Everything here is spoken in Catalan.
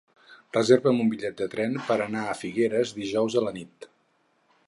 Reserva'm un bitllet de tren per anar a Figueres dijous a la nit.